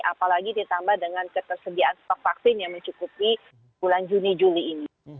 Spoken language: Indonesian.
apalagi ditambah dengan ketersediaan stok vaksin yang mencukupi bulan juni juli ini